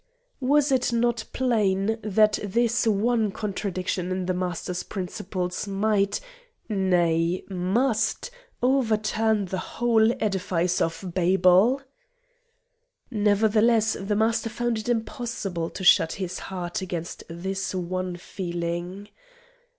Was it not plain that this one contradiction in the Master's principles might nay, must, overturn the whole edifice of Babel? Nevertheless, the Master found it impossible to shut his heart against this one feeling.